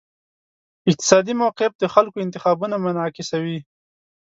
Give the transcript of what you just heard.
اقتصادي موقف د خلکو انتخابونه منعکسوي.